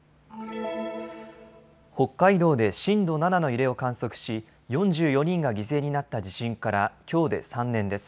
北海道で震度７の揺れを観測し４４人が犠牲になった地震からきょうで３年です。